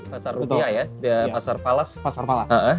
pasar rupiah ya pasar falas pasar falas